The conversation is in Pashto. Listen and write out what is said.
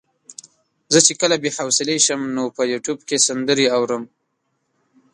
زه چې کله بې حوصلې شم نو په يوټيوب کې سندرې اورم.